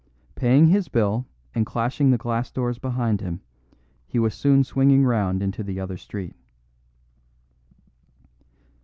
Paying his bill and clashing the glass doors behind him, he was soon swinging round into the other street.